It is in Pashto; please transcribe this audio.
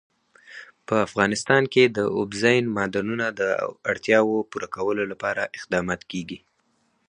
په افغانستان کې د اوبزین معدنونه د اړتیاوو پوره کولو لپاره اقدامات کېږي.